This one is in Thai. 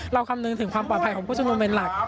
คำนึงถึงความปลอดภัยของผู้ชมนุมเป็นหลัก